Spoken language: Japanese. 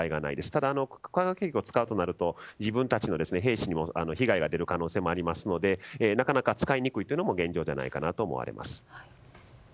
ただ、化学兵器を使うとなると自分たちの兵士にも被害が出る可能性もありますのでなかなか使いにくいというのも現状じゃないかなと思われます。